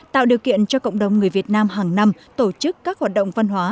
tạo điều kiện cho cộng đồng người việt nam hàng năm tổ chức các hoạt động văn hóa